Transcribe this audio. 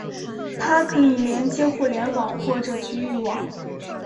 它可以连接互联网或者局域网。